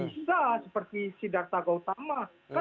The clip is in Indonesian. bisa seperti si darta gautama